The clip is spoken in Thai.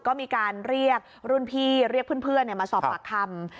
ก็มีการเรียกรุ่นพี่เรียกเพื่อนมาสอบปากคำ